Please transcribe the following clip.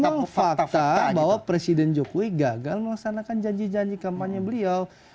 atau fakta bahwa presiden jokowi gagal melaksanakan janji janji kampanye beliau